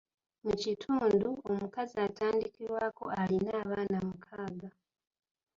Mu kitundu, omukazi atandikirwako alina abaana mukaaga.